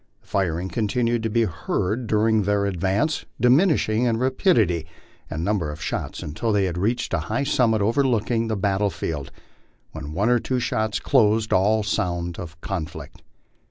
The firing continued to be heard during their ad rance, diminishing in rapidity and number of shots until they had reached a high summit overlooking the battle field, when one or two shots closed all sound of conflict.